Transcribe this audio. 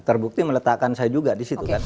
terbukti meletakkan saya juga di situ kan